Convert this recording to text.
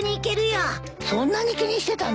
そんなに気にしてたの？